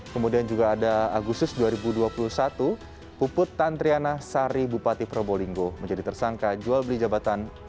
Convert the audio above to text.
kemudian juga ada agustus dua ribu dua puluh satu puput tantriana sari bupati probolinggo menjadi tersangka jual beli jabatan